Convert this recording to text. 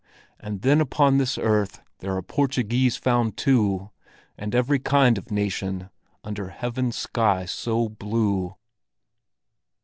And then upon this earth there Are Portuguese found too, And every kind of nation Under heaven's sky so blue."